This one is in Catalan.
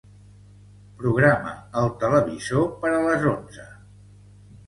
Programa el televisor per a les onze.